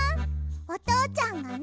おとうちゃんがね